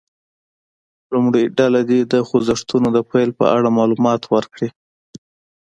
لومړۍ ډله دې د خوځښتونو د پیل په اړه معلومات ورکړي.